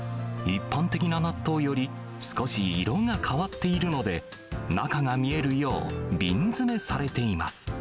一般的な納豆より少し色が変わっているので、中が見えるよう、瓶詰めされています。